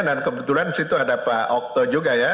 dan kebetulan disitu ada pak okto juga ya